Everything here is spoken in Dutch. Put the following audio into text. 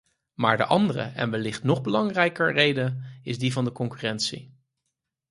Maar de andere, en wellicht nog belangrijker reden, is die van de concurrentie.